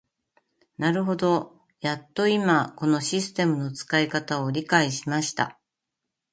なるほど、やっと今このシステムの使い方を理解しました。